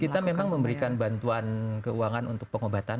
kita memang memberikan bantuan keuangan untuk pengobatan